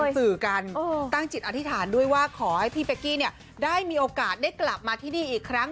สื่อกันตั้งจิตอธิษฐานด้วยว่าขอให้พี่เป๊กกี้ได้มีโอกาสได้กลับมาที่นี่อีกครั้ง